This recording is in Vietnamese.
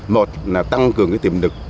một là tăng cường tiềm lực